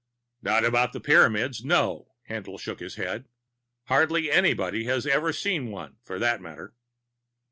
"Not about the Pyramids, no." Haendl shook his head. "Hardly anyone has ever seen one, for that matter."